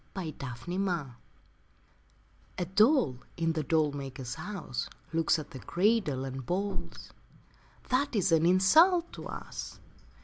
II THE DOLLS A doll in the doll maker's house Looks at the cradle and balls: 'That is an insult to us.'